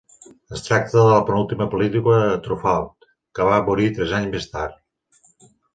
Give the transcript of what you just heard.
Es tracta de la penúltima pel·lícula de Truffaut, que va morir tres anys més tard.